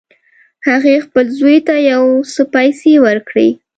هغې خپل زوی ته یو څه پیسې ورکړې